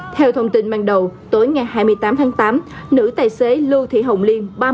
theo thông tin ban đầu tối ngày hai mươi tám tháng tám nữ tài xế lưu thị hồng liên